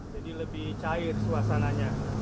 jadi lebih cair suasananya